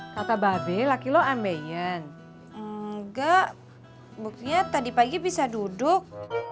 kata babi laki lo amean enggak buktinya tadi pagi bisa duduk